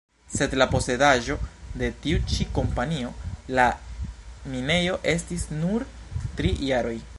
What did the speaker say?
Sed la posedaĵo de tiu ĉi kompanio la minejo estis nur tri jaroj.